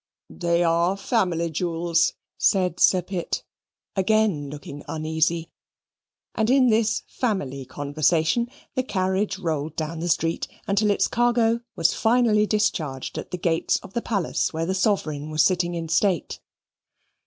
"They are family jewels," said Sir Pitt, again looking uneasy. And in this family conversation the carriage rolled down the street, until its cargo was finally discharged at the gates of the palace where the Sovereign was sitting in state.